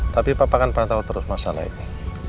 tapi papa akan pantau terus masalah ini